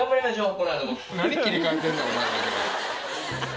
何切り替えてんねんお前だけ。